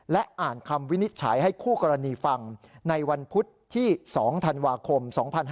และอ่านคำวินิจฉัยให้คู่กรณีฟังในวันพุธที่๒ธันวาคม๒๕๕๙